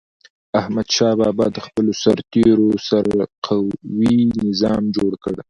احمدشاه بابا د خپلو سرتېرو سره قوي نظام جوړ کړ.